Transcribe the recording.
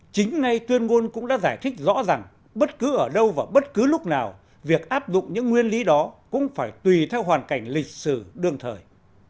chính ngay tuyên ngôn cũng đã giải thích rõ ràng bất cứ ở đâu và bất cứ lúc nào việc áp dụng những nguyên lý đó cũng phải tùy theo hoàn cảnh lịch sử đương thời